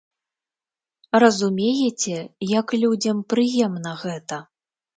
Разумееце, як людзям прыемна гэта?